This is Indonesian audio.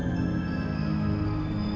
aku bisa sembuh